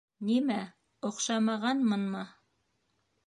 Нимә, оҡшамағанмынмы?